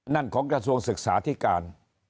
นั่นของกระทรวงศึกษาธิการ